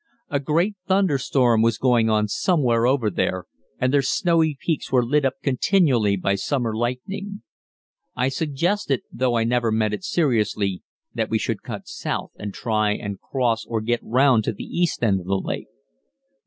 A great thunderstorm was going on somewhere over there, and their snowy peaks were lit up continually by summer lightning. I suggested, though I never meant it seriously, that we should cut south and try and cross or get round the east end of the lake.